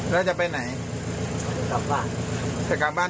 ไปบ้านสัเจ้นมประกว่าน